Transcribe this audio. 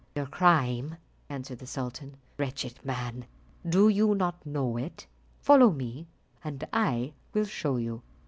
"Your crime!" answered the sultan, "wretched man! do you not know it? Follow me, and I will show you."